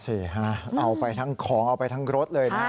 สิฮะเอาไปทั้งของเอาไปทั้งรถเลยนะ